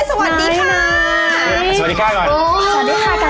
สวัสดีค่ะกันเลยสวัสดีค่ะสวัสดีค่ะสวัสดีค่ะ